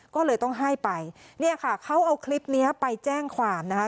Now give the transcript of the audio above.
ก็เลยต้องให้ไปเนี่ยค่ะเขาเอาคลิปเนี้ยไปแจ้งความนะคะ